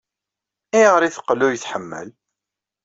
Ayɣer ay teqqel ur iyi-tḥemmel?